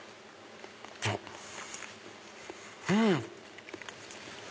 うん！